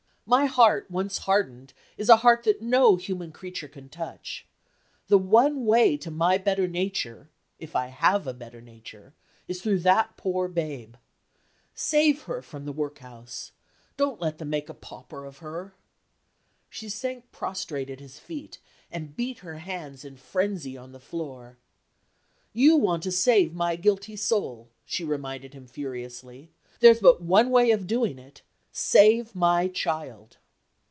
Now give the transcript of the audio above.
My heart, once hardened, is a heart that no human creature can touch. The one way to my better nature if I have a better nature is through that poor babe. Save her from the workhouse! Don't let them make a pauper of her!" She sank prostrate at his feet, and beat her hands in frenzy on the floor. "You want to save my guilty soul," she reminded him furiously. "There's but one way of doing it. Save my child!"